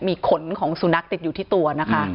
มีขนของสุนัขติดอยู่ที่ตัวนะคะ